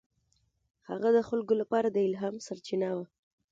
هغه د خلکو لپاره د الهام سرچینه وه.